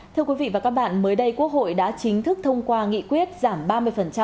thưa quý vị và các bạn mới đây quốc hội đã chính thức thông qua nghị quyết giảm ba mươi thuế thu nhập